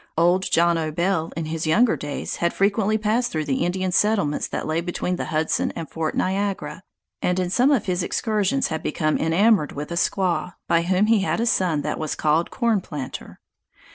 Old John O'Bail, in his younger days had frequently passed through the Indian settlements that lay between the Hudson and Fort Niagara, and in some of his excursions had become enamored with a squaw, by whom he had a son that was called Corn Planter.